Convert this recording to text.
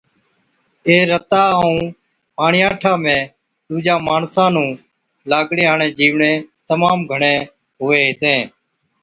اي رتا ائُون پاڻِياٺا ۾ ڏُوجان ماڻسان نُون لاگڻي هاڙين جِيوڙَين تمام گھڻي هُوَي هِتين۔